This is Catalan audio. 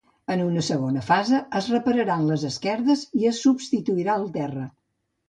En una segona fase es repararan les esquerdes i es substituirà el terra.